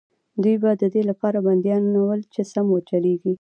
دوی به د دې لپاره بندیانول چې سم وچلېږي.